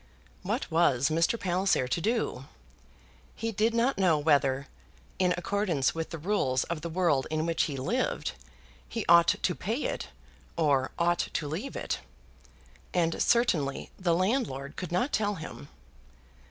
What was Mr. Palliser to do? He did not know whether, in accordance with the rules of the world in which he lived, he ought to pay it, or ought to leave it; and certainly the landlord could not tell him.